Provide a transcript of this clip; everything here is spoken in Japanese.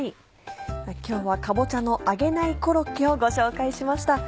今日は「かぼちゃの揚げないコロッケ」をご紹介しました。